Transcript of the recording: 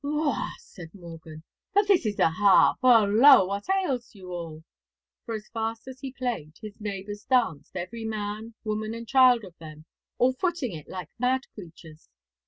'Waw!' said Morgan, 'but this is a harp. Holo! what ails you all?' For as fast as he played his neighbours danced, every man, woman, and child of them all footing it like mad creatures.